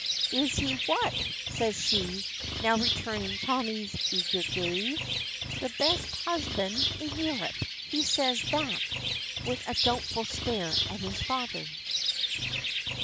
"Is he what?" says she, now returning Tommy's eager gaze. "The best husband in Europe. He says he's that," with a doubtful stare at his father.